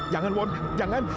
jangan won jangan